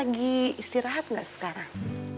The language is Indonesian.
lagi istirahat gak sekarang